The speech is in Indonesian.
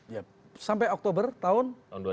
ya sampai oktober tahun